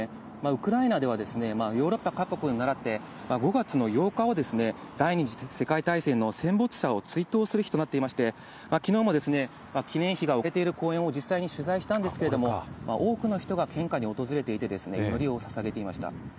ウクライナでは、ヨーロッパ各国にならって、５月の８日を第２次世界大戦の戦没者を追悼する日となっていまして、きのうも記念碑が置かれている公園を実際に取材したんですけれども、多くの人が献花に訪れていて、祈りをささげていました。